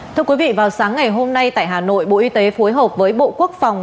thưa quý vị vào sáng ngày hôm nay tại hà nội bộ y tế phối hợp với bộ quốc phòng